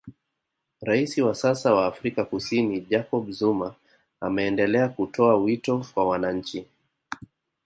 Raisi wa sasa wa Afrika Kusini Jacob Zuma ameendelea kutoa wito kwa wananchi